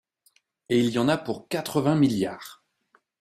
Et il y en a pour quatre-vingts milliards